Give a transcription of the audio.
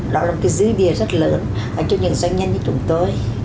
đó là một cái dư địa rất lớn cho những doanh nhân như chúng tôi